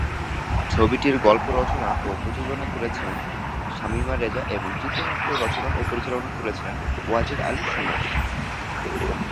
ছবিটির গল্প রচনা ও প্রযোজনা করেছেন শামীম রেজা এবং চিত্রনাট্য রচনা ও পরিচালনা করেছেন ওয়াজেদ আলী সুমন।